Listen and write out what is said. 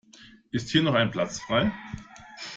Ist hier noch ein Platz frei?